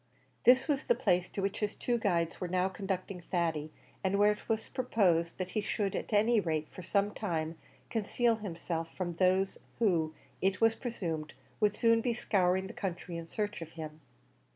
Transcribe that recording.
This was the place to which his two guides were now conducting Thady, and where it was proposed that he should, at any rate for some time, conceal himself from those, who, it was presumed, would soon be scouring the country in search of him.